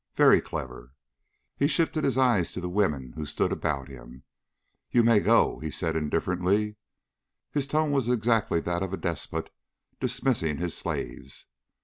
"Very clever." He shifted his eyes to the women who stood about him. "You may go," he said indifferently. His tone was exactly that of a despot dismissing his slaves.